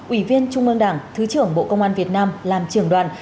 ủy viên trung mương đảng thứ trưởng bộ công an việt nam làm trưởng đoàn